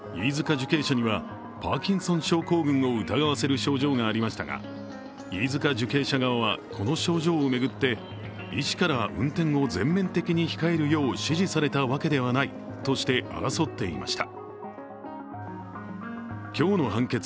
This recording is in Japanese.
受刑者にはパーキンソン症候群を疑わせる症状がありましたが飯塚受刑者側はこの症状を巡って医師から運転を全面的に控えるよう指示されたわけではないとして争っていました。